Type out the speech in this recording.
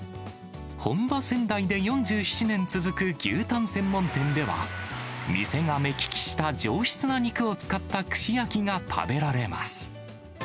本場仙台で４７年続く牛タン専門店では、店が目利きした上質な肉を使った串焼きが食べられます。